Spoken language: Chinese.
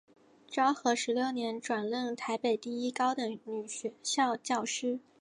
昭和十六年转任台北第一高等女学校教师。